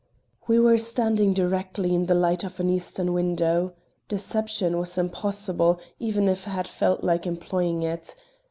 We were standing directly in the light of an eastern window. Deception was impossible, even if I had felt like employing it.